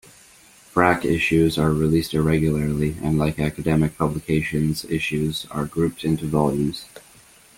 "Phrack" issues are released irregularly, and like academic publications issues are grouped into volumes.